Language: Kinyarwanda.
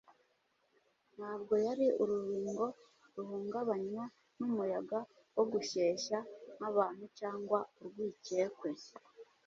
Ntabwo yari urubingo ruhungabanywa n'umuyaga wo gushyeshya kw’abantu cyangwa urwikekwe.